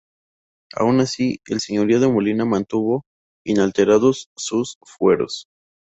Aun así, el Señorío de Molina mantuvo inalterados sus fueros.